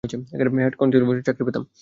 Head constable হিসাবে চাকরি করতাম।